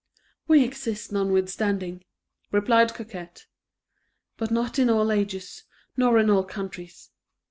"We exist, notwithstanding," replied Coquette, "but not in all ages, nor in all countries.